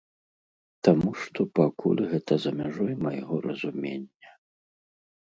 Таму што пакуль гэта за мяжой майго разумення.